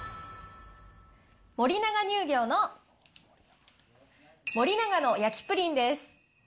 森永乳業の森永の焼プリンです。